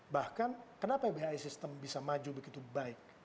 bahkan kenapa bi sistem bisa maju begitu baik